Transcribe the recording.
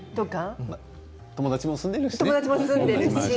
友達も住んでいるしね。